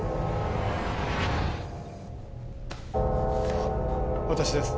あっ私です。